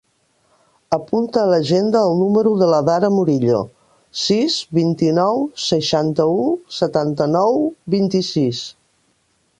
Apunta a l'agenda el número de la Dara Murillo: sis, vint-i-nou, seixanta-u, setanta-nou, vint-i-sis.